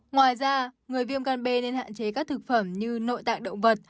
ngoài ra người viêm gan b nên hạn chế các thực phẩm như nội tạng động vật